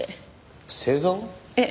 ええ。